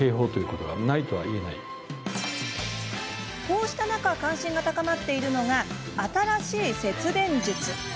こうした中関心が高まっているのが新しい節電術。